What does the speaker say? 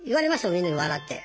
みんなに笑って。